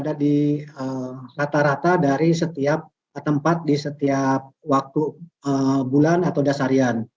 ada di rata rata dari setiap tempat di setiap waktu bulan atau dasarian